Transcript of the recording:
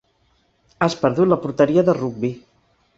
Has perdut la porteria de rugbi.